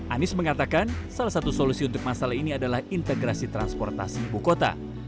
anies mengatakan salah satu solusi untuk masalah ini adalah integrasi transportasi ibu kota